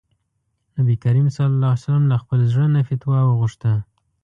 نبي کريم ص له خپل زړه نه فتوا وغوښته.